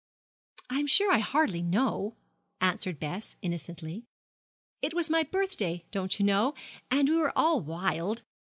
'I am sure I hardly know,' answered Bess, innocently. 'It was my birthday, don't you know, and we were all wild.